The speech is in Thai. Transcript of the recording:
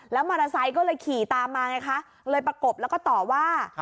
มอเตอร์ไซค์ก็เลยขี่ตามมาไงคะเลยประกบแล้วก็ต่อว่า